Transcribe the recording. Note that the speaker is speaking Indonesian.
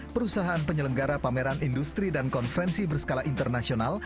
perusahaan penyelenggara pameran industri dan konferensi berskala internasional